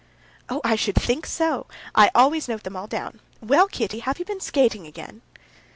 "Oh, I should think so! I always note them all down. Well, Kitty, have you been skating again?..."